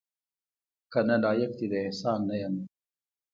کنه لایق دې د احسان نه یمه